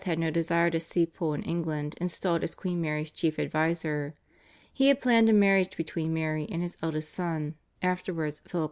had no desire to see Pole in England installed as Queen Mary's chief adviser. He had planned a marriage between Mary and his eldest son, afterwards Philip II.